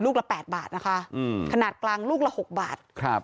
ละแปดบาทนะคะอืมขนาดกลางลูกละ๖บาทครับ